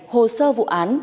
hồ sơ vụ án